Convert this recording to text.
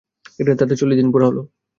তাতে চল্লিশ দিন পুরা হলো।